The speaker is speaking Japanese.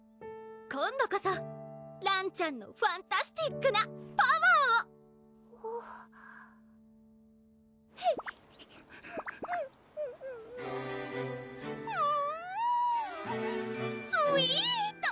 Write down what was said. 今度こそらんちゃんのファンタスティックなパワーをうんスイート！